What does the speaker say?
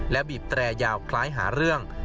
และบีบแตรยาวคล้ายหาเรื่อง